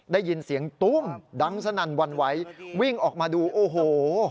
ได้ยินเสียงตุ้มดังสนั่นวันไหววิ่งออกมาดูโอ้โห